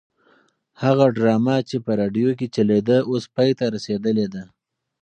هغه ډرامه چې په راډیو کې چلېده اوس پای ته رسېدلې ده.